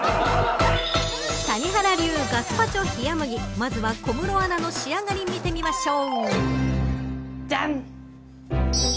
まずは小室アナの仕上がり見てみましょう。